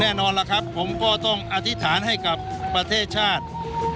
แน่นอนล่ะครับผมก็ต้องอธิษฐานให้กับประเทศชาติ